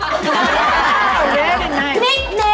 อะไรมั้ยครับ